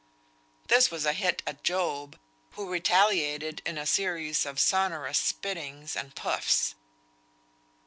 This was a hit at Job, who retaliated in a series of sonorous spittings and puffs.